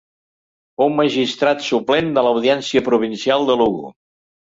Fou magistrat suplent de l'Audiència Provincial de Lugo.